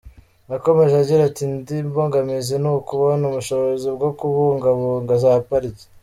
Yakomeje agira ati “Indi mbogamizi ni ukubona ubushobozi bwo kubungabunga za pariki.